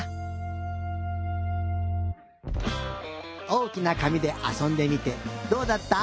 おおきなかみであそんでみてどうだった？